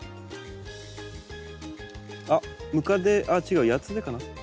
あっムカデ違うヤスデかな。